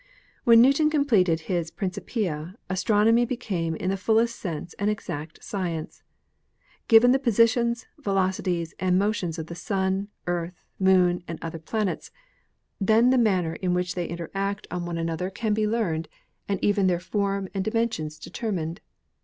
When Newton completed his Trincipia' astronomy be came in the fullest sense an exact science. Given the posi tions, velocities and motions of the Sun, Earth, Moon and other planets, then the manner in which they interact on 56 ASTRONOMY one another can be learned and even their form and dimen sions determined.